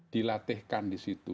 dilatihkan di situ